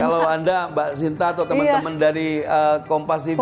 kalau anda mbak sinta atau teman teman dari kompas ini